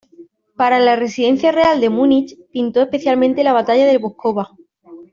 Para la residencia real de Múnich, pintó especialmente la batalla del Moscova.